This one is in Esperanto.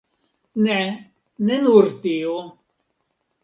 Ne, ne nur tio.